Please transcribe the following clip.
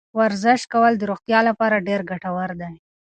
ورزش کول د روغتیا لپاره ډېر ګټور دی.